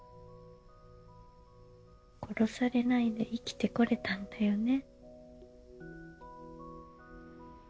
殺されないで生きてこれたんだよね。